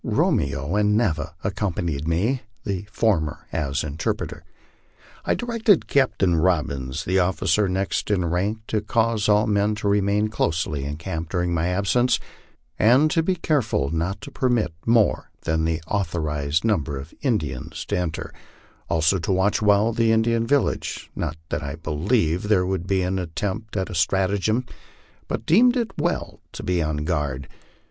Romeo and Neva accompanied me, the former as interpreter. I directed Captain Robbins, the officer next in rank, to cause all men to remain closely in camp during my absence, and to be careful not to permit more than the authorized number of Indians to enter ; also to watch well the Indian village, not that I believed there would be an attempt at stratagem, but deemed it well to be on guard.